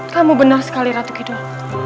kamu benar sekali ratu hidup